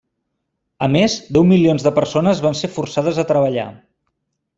A més, deu milions de persones van ser forçades a treballar.